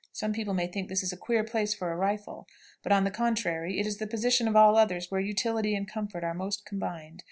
Some people may think this is a queer place for a rifle; but, on the contrary, it is the position of all others where utility and comfort are most combined.